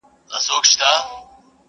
سپرلی ټینکه وعده وکړي چي را ځمه.